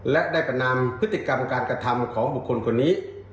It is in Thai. และได้ประนำพฤติกรรมการกระทำของบุคคลคนนี้